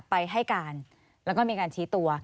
ไปให้การแล้วก็มีการชี้ตัว